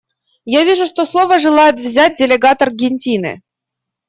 Я вижу, что слово желает взять делегат Аргентины.